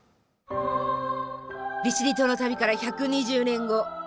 利尻島の旅から１２０年後。